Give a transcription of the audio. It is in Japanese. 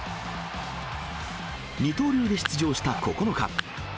二刀流で出場した９日。